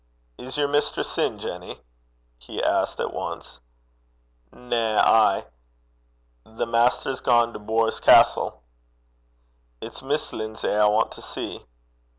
'Is yer mistress in, Jenny?' he asked at once. 'Na. Ay. The maister's gane to Bors Castle.' 'It's Miss Lindsay I want to see.'